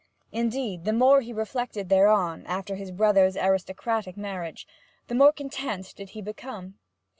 Indeed, the more he reflected thereon, after his brother's aristocratic marriage, the more content did he become.